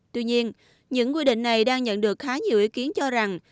tuy nhiên những quy định này đang nhận được khá nhiều ý kiến cho rằng